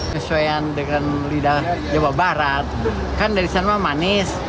kesuaian dengan lidah jawa barat kan dari sana manis